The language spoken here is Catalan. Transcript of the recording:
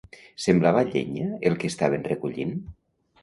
Semblava llenya el que estaven recollint?